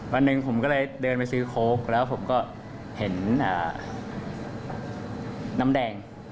วันหนึ่งผมก็เลยเดินไปซื้อโค้กแล้วผมก็เห็นน้ำแดง